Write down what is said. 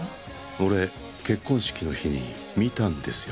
俺、結婚式の日に見たんですよ。